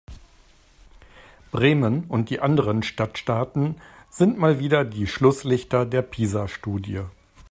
Bremen und die anderen Stadtstaaten sind mal wieder die Schlusslichter der PISA-Studie.